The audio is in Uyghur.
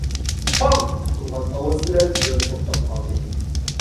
‹‹ پاڭ!›› قىلغان ئاۋاز بىلەن بۆرە توختاپ قالدى.